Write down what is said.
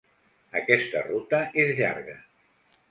Aquesta ruta és llarga.